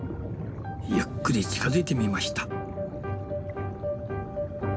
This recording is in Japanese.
ゆっくり近づいてみました。